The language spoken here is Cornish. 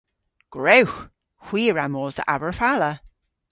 Gwrewgh! Hwi a wra mos dhe Aberfala.